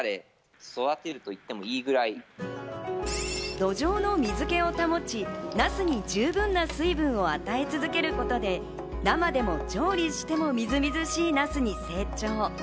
土壌の水気を保ち、なすに十分な水分を与え続けることで生でも調理しても、みずみずしいなすに成長。